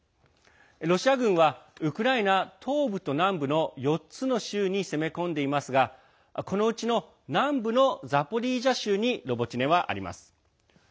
ロシア軍はウクライナ東部と南部の４つの州に攻め込んでいますがこのうちの南部のザポリージャ州にロボティネはあります。